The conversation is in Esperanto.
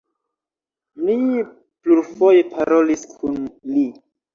Mi plurfoje parolis kun li.